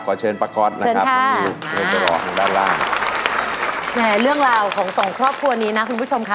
ขอเชิญป้าก๊อตนะครับเรื่องราวของส่องครอบครัวนี้นะคุณผู้ชมค่ะ